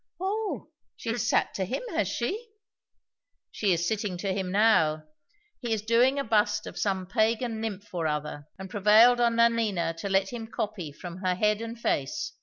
"Oh! she has sat to him, has she?" "She is sitting to him now. He is doing a bust of some Pagan nymph or other, and prevailed on Nanina to let him copy from her head and face.